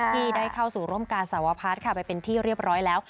ที่ได้เข้าสู่ร่วมการสวพัฒน์ค่ะไปเป็นที่เรียบร้อยแล้ว